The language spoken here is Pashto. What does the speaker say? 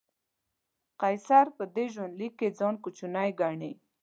قیصر په دې ژوندلیک کې ځان کوچنی ګڼي.